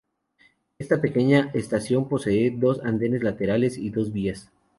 Esta pequeña estación posee dos andenes laterales y dos vías.